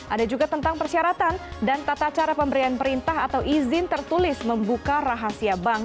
ada juga tentang persyaratan dan tata cara pemberian perintah atau izin tertulis membuka rahasia bank